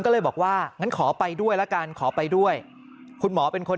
ก็เลยบอกว่างั้นขอไปด้วยละกันขอไปด้วยคุณหมอเป็นคน